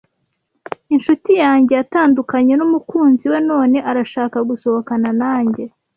Inshuti yanjye yatandukanye numukunzi we none arashaka gusohokana nanjye.